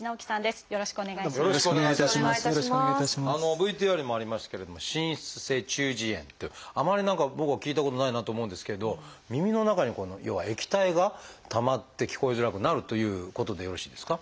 ＶＴＲにもありましたけれども「滲出性中耳炎」というあまり何か僕は聞いたことがないなと思うんですけど耳の中に要は液体がたまって聞こえづらくなるということでよろしいですか？